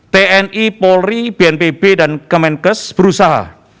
tni polri bnpb dan kemenkes berusaha